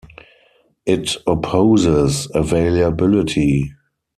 It opposes availability.